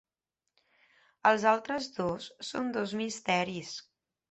Els altres dos són dos misteris.